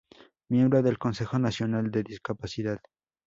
Miembro del Consejo Nacional de Discapacidad.